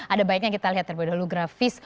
ada baiknya kita lihat terlebih dahulu grafis